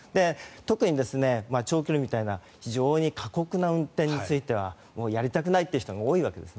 特に長距離みたいな非常に過酷な運転についてはやりたくないという人が多いわけです。